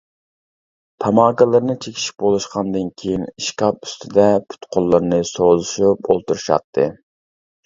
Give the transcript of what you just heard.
تاماكىلىرىنى چېكىشىپ بولۇشقاندىن كېيىن ئىشكاپ ئۈستىدە پۇت-قوللىرىنى سوزۇشۇپ ئولتۇرۇشاتتى.